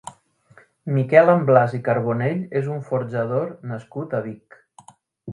Miquel Amblàs i Carbonell és un forjador nascut a Vic.